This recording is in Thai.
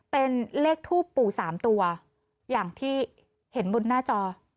เป็นเลขทูปปู่๓ตัวอย่างที่เห็นบนหน้าจอ